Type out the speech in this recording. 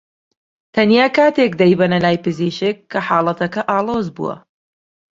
تەنیا کاتێک دەیبەنە لای پزیشک کە حاڵەتەکە ئاڵۆز بووە